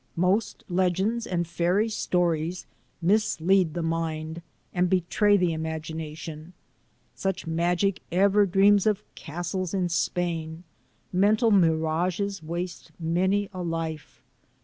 Most legends and fairy stories mislead the mind and betray the imagination. Such magic ever dreams of castles in Spain. Mental mirages waste many a life.